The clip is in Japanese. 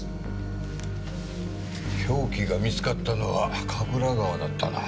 凶器が見つかったのは神楽川だったな。